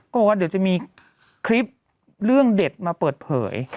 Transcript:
บอกว่าเดี๋ยวจะมีคลิปเรื่องเด็ดมาเปิดเผย